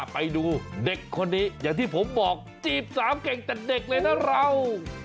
ไปดูเด็กคนนี้อย่างที่ผมบอกจีบสามเก่งแต่เด็กเลยนะเรา